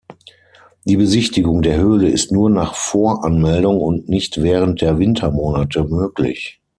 Die Besichtigung der Höhle ist nur nach Voranmeldung und nicht während der Wintermonate möglich.